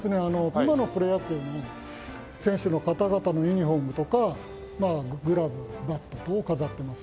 今のプロ野球の選手の方々のユニホームとかグラブバット等を飾ってます。